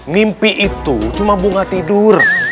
mimpi itu cuma bunga tidur